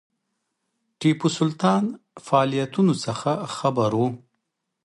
ټیپو سلطان فعالیتونو څخه خبر وو.